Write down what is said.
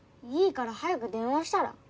いいから早く電話したら？